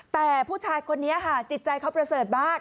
แต่ผู้ชายคนนี้จิตใจเขาเบลอเสิร์ตมาก